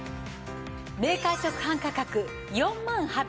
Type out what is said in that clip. メーカー直販価格４万８１０